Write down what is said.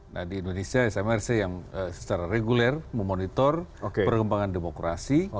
nah di indonesia smrc yang secara reguler memonitor perkembangan demokrasi